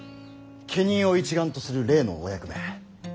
家人を一丸とする例のお役目